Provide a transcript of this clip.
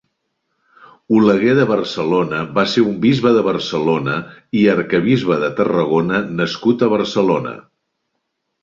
Oleguer de Barcelona va ser un bisbe de Barcelona i arquebisbe de Tarragona nascut a Barcelona.